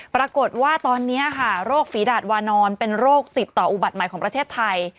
ปรากฏว่าตอนนี้ค่ะโรคฝีดาดวานอนเป็นโรคติดต่ออุบัติใหม่ของประเทศไทย